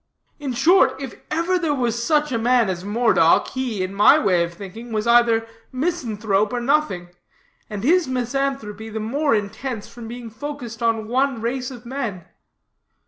In short, if ever there was such a man as Moredock, he, in my way of thinking, was either misanthrope or nothing; and his misanthropy the more intense from being focused on one race of men.